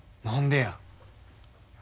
何でや？